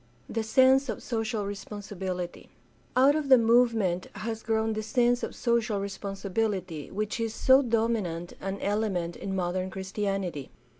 The sense of social responsibility. — Out of the movement has grown the sense of social responsibility which is so dominant an element in modern Christianity.